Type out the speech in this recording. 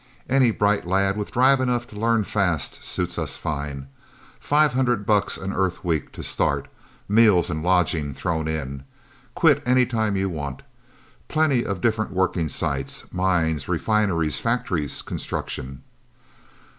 Any bright lad with drive enough to learn fast, suits us fine. Five hundred bucks an Earth week, to start, meals and lodging thrown in. Quit any time you want. Plenty of different working sites. Mines, refineries, factories, construction..."